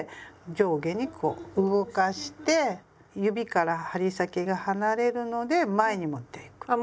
上下にこう動かして指から針先が離れるので前に持っていく。